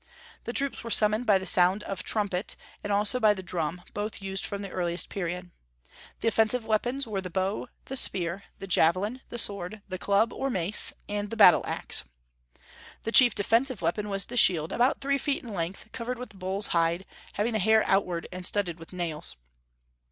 The troops were summoned by the sound of trumpet, and also by the drum, both used from the earliest period. The offensive weapons were the bow, the spear, the javelin, the sword, the club, or mace, and the battle axe. The chief defensive weapon was the shield, about three feet in length, covered with bull's hide, having the hair outward and studded with nails.